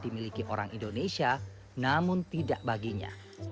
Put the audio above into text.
dimiliki orang indonesia namun tidak baginya